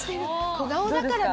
小顔だからな。